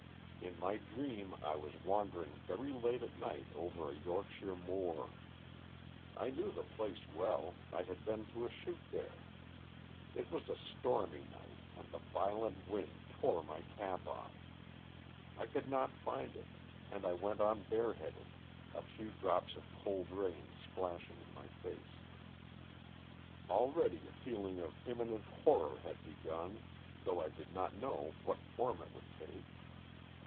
In my dream I was wandering very late at night over a Yorkshire moor. I knew the place well, I had been to a shoot there. It was a stormy night, and the violent wind tore my cap off. I could not find it, and I went on bareheaded, a few drops of cold rain splashing in my face. Already a feeling of imminent horror had begun, though I did not know what form it would take.